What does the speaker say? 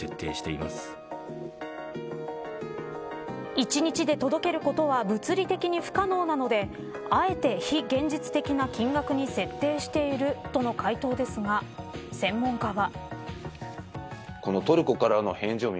１日で届けることは物理的に不可能なのであえて非現実的な金額に設定している、との回答ですが専門家は。